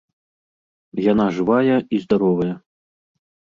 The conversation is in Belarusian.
Яна жывая і здаровая.